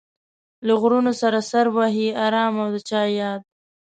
له غرونو سره سر وهي ارام او د چا ياد